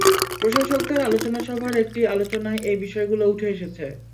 প্রশাসকদের আলোচনাসভার একটি আলোচনায় এই বিষয়গুলো উঠে এসেছে।